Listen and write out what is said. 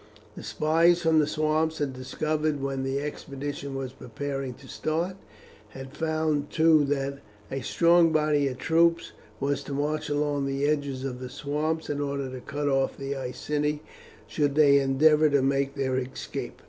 The spies from the swamps had discovered when the expedition was preparing to start, and had found too that a strong body of troops was to march along the edges of the swamps in order to cut off the Iceni should they endeavour to make their escape.